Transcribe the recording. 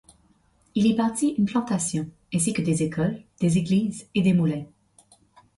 Il y bâtit une plantation, ainsi que des écoles, des églises et des moulins.